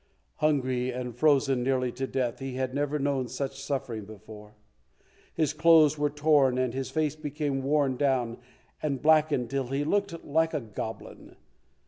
Hungry, and frozen nearly to death, he had never known such suffering before. His clothes were torn and his face became worn down and blackened till he looked like a goblin.